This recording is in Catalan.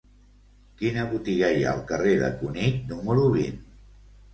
Quina botiga hi ha al carrer de Cunit número vint?